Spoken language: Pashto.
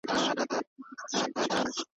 هغه وويل دا د جګړې وروسته تر ټولو درنه پېښه ده.